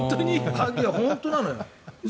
本当なのよ。